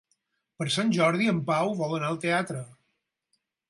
Per Sant Jordi en Pau vol anar al teatre.